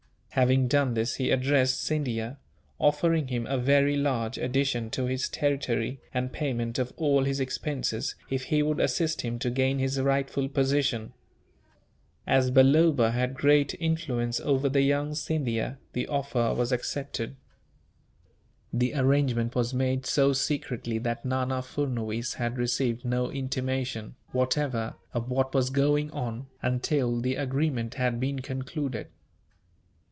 Having done this he addressed Scindia; offering him a very large addition to his territory, and payment of all his expenses, if he would assist him to gain his rightful position. As Balloba had great influence over the young Scindia, the offer was accepted. The arrangement was made so secretly that Nana Furnuwees had received no intimation, whatever, of what was going on, until the agreement had been concluded.